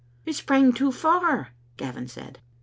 " It sprang too far," Gavin said.